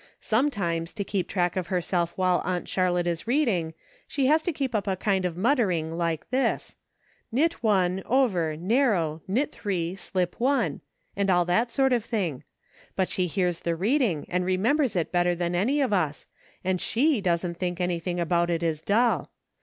Sometimes, to keep track of herself while Aunt Charlotte is reading, she has to keep up a kind of muttering like this :' Knit one, over, narrow, knit three, slip one,' and all that sort of thing ; but she hears the reading, and remembers it better than any of us, and she doesn't think anything about it is dull.